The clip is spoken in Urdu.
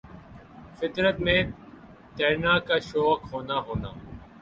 فطر ت میں تیرنا کا شوق ہونا ہونا